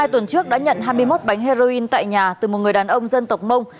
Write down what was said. hai tuần trước đã nhận hai mươi một bánh heroin tại nhà từ một người đàn ông dân tộc mông